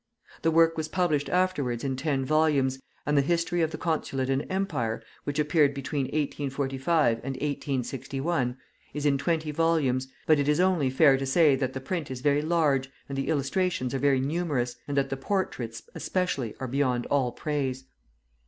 The work was published afterwards in ten volumes, and the "History of the Consulate and Empire," which appeared between 1845 and 1861, is in twenty volumes; but it is only fair to say that the print is very large and the illustrations are very numerous, and that the portraits especially are beyond all praise.